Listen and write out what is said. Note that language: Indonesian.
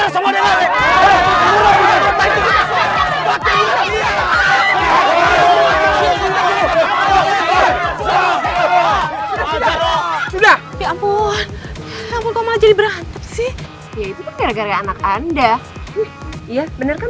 sudah ya ampun kamu jadi berantem sih ya itu kan gara gara anak anda iya bener kan